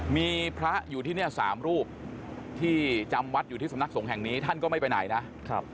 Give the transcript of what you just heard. มีพระอยู่ที่นี่๓รูปที่จำวัดอยู่ที่สำนักสงฆ์แห่งนี้ท่านก็ไม่ไปไหนนะครับ